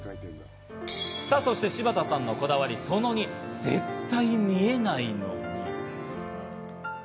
そして柴田さんのこだわり、その２、絶対見えないのに。